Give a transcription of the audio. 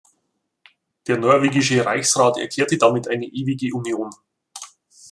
Der norwegische Reichsrat erklärte damit eine ewige Union.